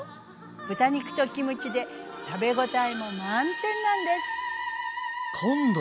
豚肉とキムチで食べ応えも満点なんです！